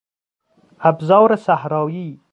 ابزار صحرایی